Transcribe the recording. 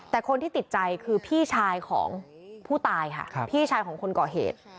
แต่คนที่ติดใจคือพี่ชายของผู้ตายค่ะพี่ชายของคนก่อเหตุ